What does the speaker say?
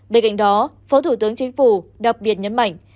bên cạnh đó phó thủ tướng chính phủ đặc biệt nhấn mạnh